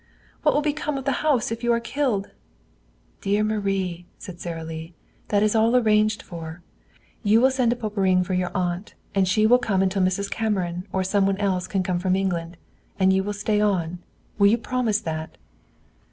"What will become of the house if you are killed?" "Dear Marie," said Sara Lee, "that is all arranged for. You will send to Poperinghe for your aunt, and she will come until Mrs. Cameron or some one else can come from England. And you will stay on. Will you promise that?"